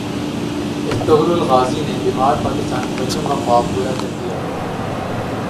Ertugrul Ghazi نے بیمار پاکستانی بچوں کا خواب پورا کردیا